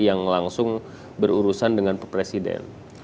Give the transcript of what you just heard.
yang langsung berurusan dengan presiden